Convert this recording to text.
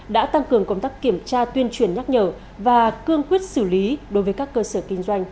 đã tăng cường công tác kiểm tra tuyên truyền nhắc nhở và cương quyết xử lý đối với các cơ sở kinh doanh